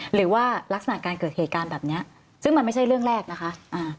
ลักษณะการเกิดเหตุการณ์แบบนี้ซึ่งมันไม่ใช่เรื่องแรกนะคะ